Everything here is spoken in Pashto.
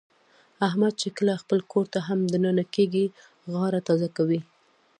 احمد چې کله خپل کورته هم د ننه کېږي، غاړه تازه کوي.